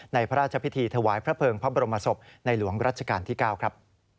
พระราชพิธีถวายพระเภิงพระบรมศพในหลวงรัชกาลที่๙ครับ